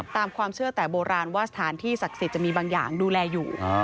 ตามความเชื่อแต่โบราณว่าสถานที่ศักดิ์สิทธิ์จะมีบางอย่างดูแลอยู่